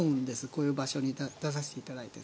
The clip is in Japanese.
こういう場所に出させていただいて。